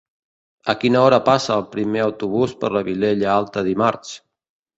A quina hora passa el primer autobús per la Vilella Alta dimarts?